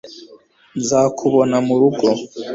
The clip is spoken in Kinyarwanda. nzakubona murugo